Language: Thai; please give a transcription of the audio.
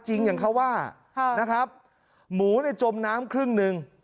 จริงอย่างเขาว่าหมูจมน้ำครึ่งหนึ่ง